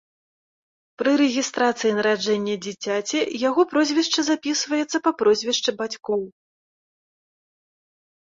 Пры рэгістрацыі нараджэння дзіцяці яго прозвішча запісваецца па прозвішчы бацькоў.